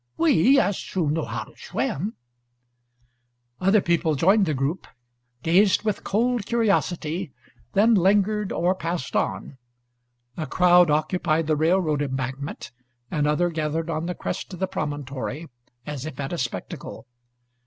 We, yes, who know how to swim "... Other people joined the group, gazed with cold curiosity, then lingered or passed on. A crowd occupied the railroad embankment, another gathered on the crest of the promontory, as if at a spectacle.